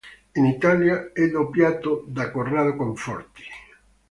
In Italia è doppiato da Corrado Conforti.